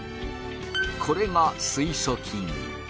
これが水素菌。